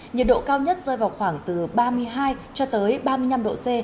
nhiệt độ cao nhất rơi vào khoảng từ ba mươi hai cho tới ba mươi năm độ c